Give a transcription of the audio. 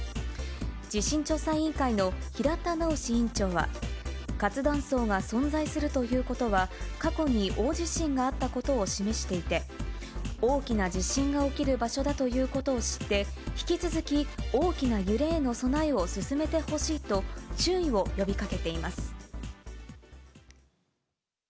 地震調査委員会の平田直委員長は、活断層が存在するということは過去に大地震があったことを示していて、大きな地震が起きる場所だということを知って、引き続き大きな揺れへの備えを進めてほしいと注意を呼びかけています。